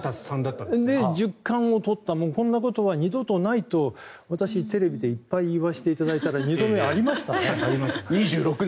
十冠を取ったこんなことは二度とないと私、テレビでいっぱい言わせていただいたら２度目がありましたね。